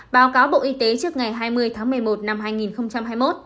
báo cáo bộ y tế trước ngày hai mươi tháng một mươi một năm hai nghìn hai mươi một